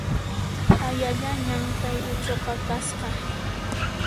Hayallañan kay uchuqa kasqa